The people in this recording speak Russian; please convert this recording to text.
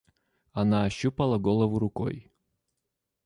Она ощупала голову рукой.